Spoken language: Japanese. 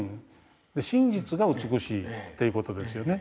真実が美しいっていう事ですよね。